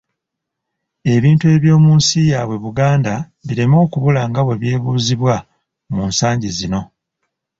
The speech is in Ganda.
Ebintu eby'omu nsi yaabwe Buganda bireme okubula nga bwe byebuuzibwa mu nsangi zino.